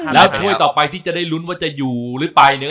แล้วถ้วยต่อไปที่จะได้ลุ้นว่าจะอยู่หรือไปเนี่ย